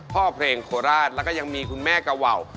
พ่อเพลงโคราชแล้วก็ยังมีคุณแม่กะว่าว